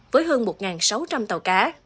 với hơn một sáu trăm linh tàu cá